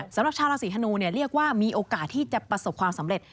สำหรับชาวราศีธนูเรียกว่ามีโอกาสที่จะประสบความสำเร็จ